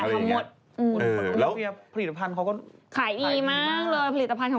ผลิตภัณฑ์ปรานเขาก็ขายดีมากกก็ค่อยขายดีมากเลย